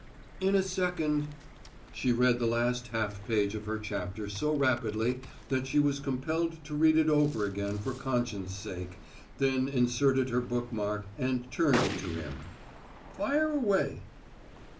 "In a second." She read the last half page of her chapter so rapidly that she was compelled to read it over again for conscience' sake, then inserted her book mark and turned to him: "Fire away."